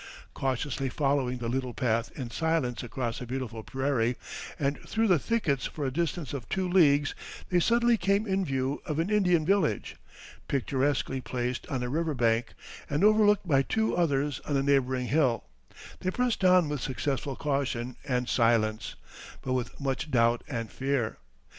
Cautiously following the little path in silence across the beautiful prairie and through the thickets for a distance of two leagues, they suddenly came in view of an Indian village, picturesquely placed on a river bank, and overlooked by two others on a neighboring hill; they pressed on with successful caution and silence, but with much doubt and fear.